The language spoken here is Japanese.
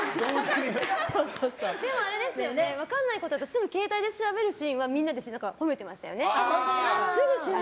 でも、分からないことをすぐ携帯で調べるシーンはみんな褒めていましたよね。